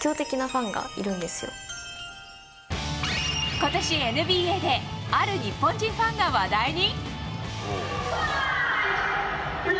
今年ＮＢＡである日本人ファンが話題に。